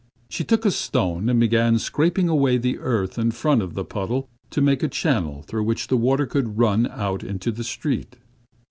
She took a stone and began scraping away the earth in front of the puddle to make a channel through which the water could run out into the street.